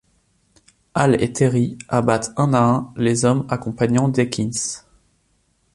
Hale et Terry abattent un à un les hommes accompagnant Deakins.